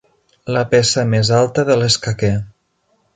La peça més alta de l'escaquer.